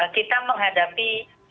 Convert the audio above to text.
kita menghadapi dua